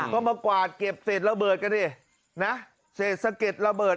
ก็มากวาดเก็บเศษระเบิดกันดินะเศษสะเก็ดระเบิด